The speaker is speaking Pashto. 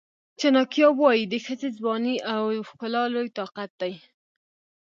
چناکیا وایي د ښځې ځواني او ښکلا لوی طاقت دی.